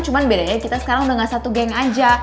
cuma bedanya kita sekarang udah gak satu geng aja